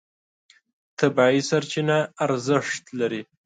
طبیعي سرچینه ارزښت لري.